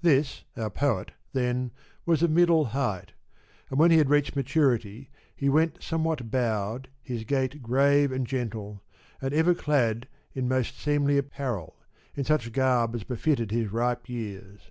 This our poet, then, was of middle height ; and when he had reached maturity he went somewhat bowed, his gait grave and gentle, and ever clad in most seemly apparel, in such garb as befitted his ripe years.